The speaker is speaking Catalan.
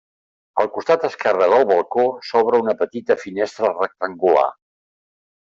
Al costat esquerre del balcó s'obre una petita finestra rectangular.